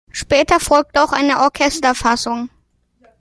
Später folgte auch eine Orchesterfassung.